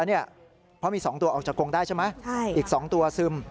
เพราะมี๒ตัวออกจากกงได้ใช่ไหมอีก๒ตัวซึม